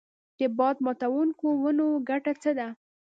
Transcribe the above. د باد ماتوونکو ونو ګټه څه ده؟